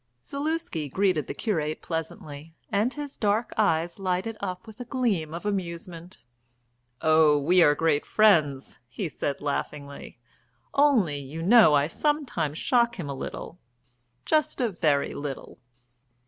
Zaluski greeted the curate pleasantly, and his dark eyes lighted up with a gleam of amusement. "Oh, we are great friends," he said laughingly. "Only, you know, I sometimes shock him a little just a very little."